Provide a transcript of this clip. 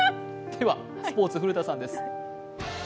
ではスポーツ、古田さんです。